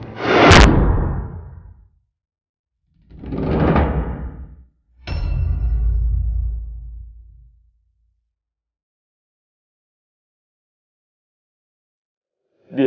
dia menyuruh saya